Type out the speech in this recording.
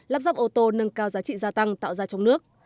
lắp dắp ô tô nâng cao giá trị gia tăng tạo ra trong nước